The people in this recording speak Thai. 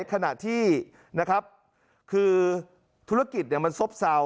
ขณะที่คือธุรกิจมันซบซาว